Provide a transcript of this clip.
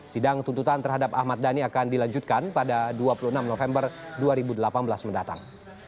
sidang tuntutan terhadap ahmad dhani akan dilanjutkan pada dua puluh enam november dua ribu delapan belas mendatang